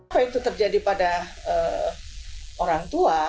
apa itu terjadi pada orang tua